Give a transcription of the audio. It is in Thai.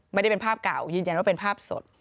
ไม่ได้เป็นภาพเก่ายืนยันว่าเป็นภาพสด